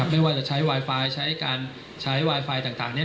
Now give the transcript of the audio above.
ไม่ว่าจะใช้ไวไฟใช้การใช้ไวไฟต่างนี้